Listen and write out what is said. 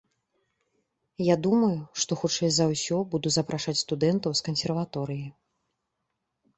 Я думаю, што хутчэй за ўсё буду запрашаць студэнтаў з кансерваторыі.